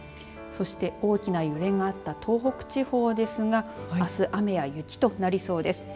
そして、大きな揺れがあった東北地方ですがあす、雨や雪となりそうです。